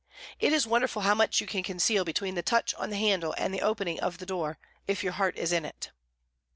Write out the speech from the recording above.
It is wonderful how much you can conceal between the touch on the handle and the opening of the door, if your heart is in it.